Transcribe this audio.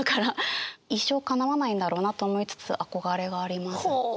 一生かなわないんだろうなと思いつつ憧れがあります。